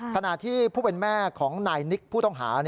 ขณะที่ผู้เป็นแม่ของนายนิกผู้ต้องหา